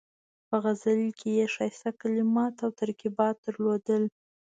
په غزل کې یې ښایسته کلمات او ترکیبات درلودل.